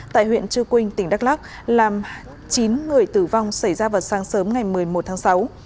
tại huyện trư quynh tỉnh đắk lắc làm chín người tử vong xảy ra vào sáng sớm ngày một mươi một tháng sáu